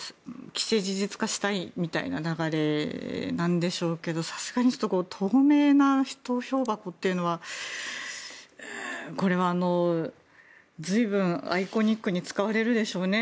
既成事実化したいみたいな流れなんでしょうけどさすがに透明な投票箱というのはこれは、随分アイコニックに使われるでしょうね。